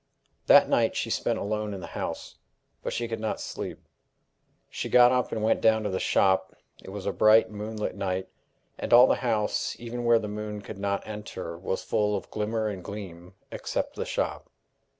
That night she spent alone in the house. But she could not sleep. She got up and went down to the shop. It was a bright, moonlit night, and all the house, even where the moon could not enter, was full of glimmer and gleam, except the shop.